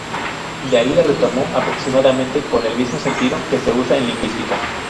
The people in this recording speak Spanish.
De ahí la retomó aproximadamente con el mismo sentido que se usa en lingüística.